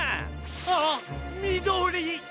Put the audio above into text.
ああっみどり！